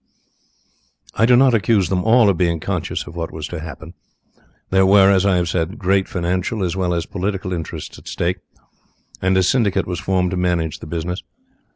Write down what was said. "I do not accuse them all of being conscious of what was to happen. There were, as I have said, great financial as well as political interests at stake, and a syndicate was formed to manage the business.